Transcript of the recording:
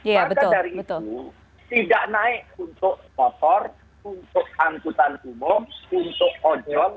maka dari itu tidak naik untuk motor untuk angkutan umum untuk ojol